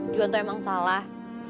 juan tuh emang salah